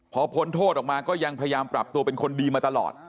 พอพ้นโทษออกมาก็ยังพยายามปรับตัวเป็นคนดีมาตลอด